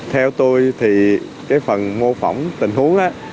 theo tôi thì cái phần mô phỏng tình huống á